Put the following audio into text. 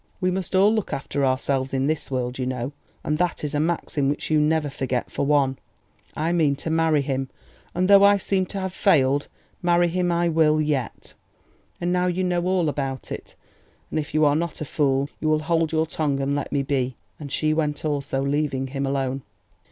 We must all look after ourselves in this world, you know; and that is a maxim which you never forget, for one. I mean to marry him; and though I seem to have failed, marry him I will, yet! And now you know all about it; and if you are not a fool, you will hold your tongue and let me be!" and she went also, leaving him alone.